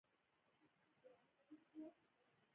هندوکش د سیلګرۍ یوه مهمه برخه ده.